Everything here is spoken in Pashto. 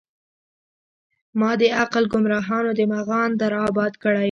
مــــــــا د عـــــــقل ګــــمراهانو د مغان در اباد کړی